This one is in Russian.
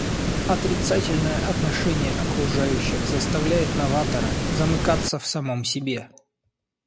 Отрицательное отношение окружающих заставляет новатора замыкаться в самом себе.